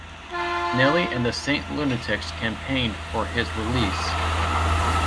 Nelly and the Saint Lunatics campaigned for his release.